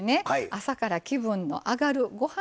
朝から気分の上がるご飯